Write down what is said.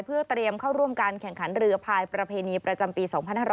เพื่อเตรียมเข้าร่วมการแข่งขันเรือภายประเพณีประจำปี๒๕๖๐